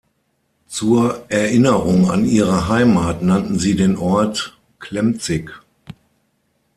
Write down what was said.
Zur Erinnerung an ihre Heimat nannten sie den Ort Klemzig.